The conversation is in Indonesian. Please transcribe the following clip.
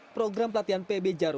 program latihan pbjr